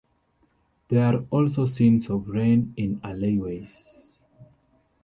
There are also scenes of rain in alleyways.